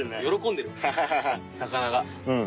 喜んでる魚が。